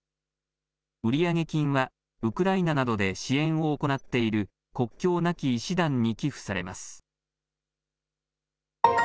売上金はウクライナなどで支援を行っている、国境なき医師団に寄付されます。